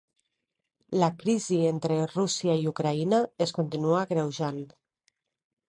La crisi entre Rússia i Ucraïna es continua agreujant.